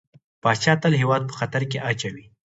پاچا تل هيواد په خطر کې اچوي .